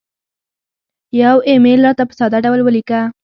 یو ایمیل راته په ساده ډول ولیکه